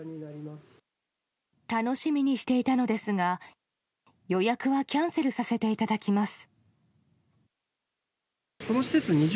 楽しみにしていたのですが予約はキャンセルさせていただきます。